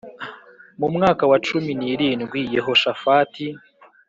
Mu mwaka wa cumi n irindwi Yehoshafati